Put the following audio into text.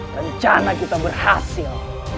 rencana kita berhasil